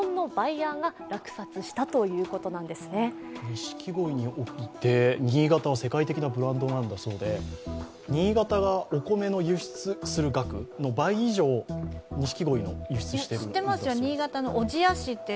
錦鯉において新潟は世界的なブランドなんだそうで、新潟がお米の輸出する額の倍以上、錦鯉を輸出してるって。